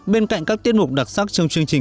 bên cạnh các tiết mục đặc sắc trong chương trình